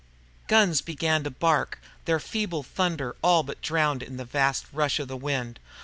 Guns began to bark, their feeble thunder all but drowned in the vast rush of the wind.